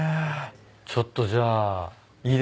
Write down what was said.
ちょっとじゃあいいですか？